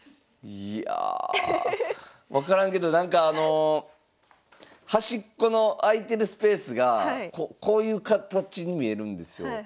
いや分からんけどなんかあの端っこの空いてるスペースがこういう形に見えるんですよ。